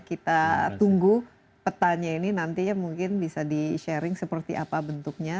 kita tunggu petanya ini nantinya mungkin bisa di sharing seperti apa bentuknya